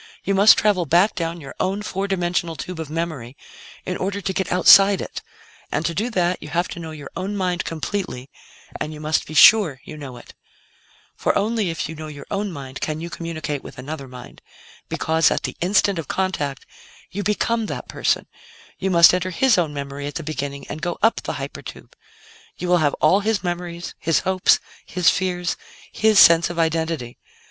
You must travel back down your own four dimensional tube of memory in order to get outside it, and to do that, you have to know your own mind completely, and you must be sure you know it. "For only if you know your own mind can you communicate with another mind. Because, at the 'instant' of contact, you become that person; you must enter his own memory at the beginning and go up the hyper tube. You will have all his memories, his hopes, his fears, his sense of identity.